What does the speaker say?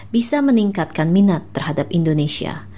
bisa meningkatkan minat terhadap indonesia